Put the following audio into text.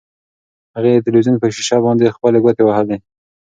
هغې د تلویزیون په شیشه باندې خپلې ګوتې وهلې.